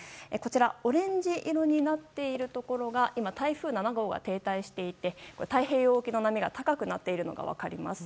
オレンジ色になっているところが今、台風７号が停滞していて太平洋沖の波が高くなっているのが分かります。